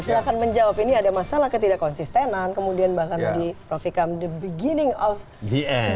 silahkan menjawab ini ada masalah ketidak konsistenan kemudian bahkan tadi prof ikam the beginning of the end